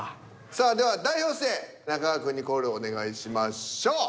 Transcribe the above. さあでは代表して中川くんにコールをお願いしましょう。